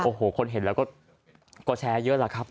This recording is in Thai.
โอ้โหคนเห็นแล้วก็แชร์เยอะแหละครับ